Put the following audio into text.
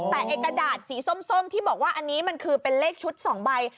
แต่ไอ้กระดาษสีส้มที่บอกว่าอันนี้มันคือเป็นเลขชุด๒ใบ